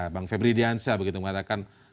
bang febri diansyah begitu mengatakan